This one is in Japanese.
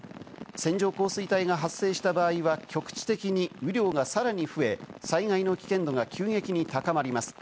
線状降水帯が発生した場合は、局地的に雨量がさらに増え、災害の危険度が急激に高まります。